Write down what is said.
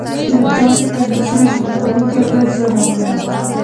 داسې ګنګوسې وې چې لارښوونکي په زور راغلي.